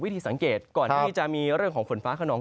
ทีสังเกตก่อนที่จะมีเรื่องของฝนฟ้าขนอง